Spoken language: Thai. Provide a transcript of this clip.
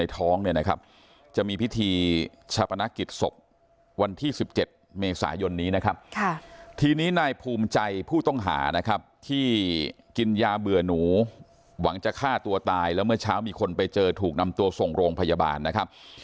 ทีนี้นะครับทีนี้นายภูมิใจผู้ต้องหานะครับที่กินยาเบื่อหนูหวังจะฆ่าตัวตายแล้วเมื่อเช้ามีคนไปเจอถูกนำตัวส่งโรงพยาบาลนะครับ